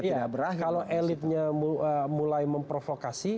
iya kalau elitnya mulai memprovokasi